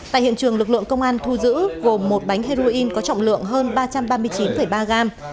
tại hiện trường lực lượng công an thu giữ gồm một bánh heroin có trọng lượng hơn ba trăm ba mươi chín ba gram